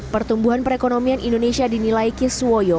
pertumbuhan perekonomian indonesia dinilai kiswoyo